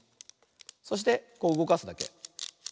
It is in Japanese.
そしてこううごかすだけ。